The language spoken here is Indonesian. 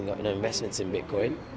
saya tidak memiliki investasi di bitcoin